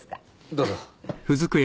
どうぞ。